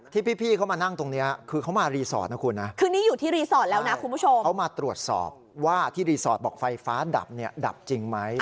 ที่พี่เขามานั่งตรงนี้คือเขามารีสอร์ทนะคุณนะคือนี่อยู่ที่รีสอร์ทแล้วนะคุณผู้ชมเขามาตรวจสอบว่าที่รีสอร์ทบอกไฟฟ้าดับเนี่ยดับจริงไหม